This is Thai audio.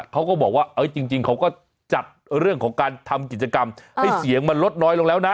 เขาก็บอกว่าจริงเขาก็จัดเรื่องของการทำกิจกรรมให้เสียงมันลดน้อยลงแล้วนะ